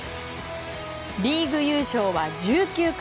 リーグ優勝は１９回。